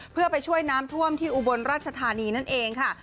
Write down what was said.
เพื่อไปช่วยน้ำท่วมที่อุบลราชธานีนั่นเองค่ะ